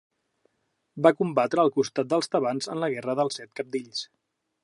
Va combatre al costat dels tebans en la guerra dels set Cabdills.